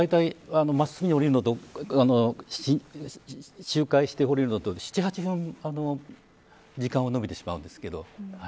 大体真っすぐに降りるのと周回して降りるのとでは７、８分、時間が延びてしまうんですけど。